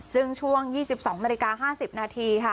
ซึ่งช่วง๒๒นาฬิกา๕๐นาทีค่ะ